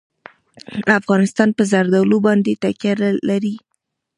افغانستان په زردالو باندې تکیه لري.